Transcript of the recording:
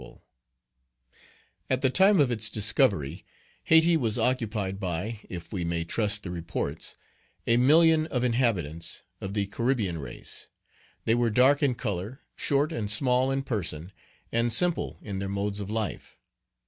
Page 23 At the time of its discovery, Hayti was occupied by if we may trust the reports a million of inhabitants, of the Caribbean race. They were dark in color, short and small in person, and simple in their modes of life.